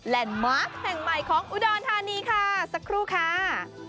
มาร์คแห่งใหม่ของอุดรธานีค่ะสักครู่ค่ะ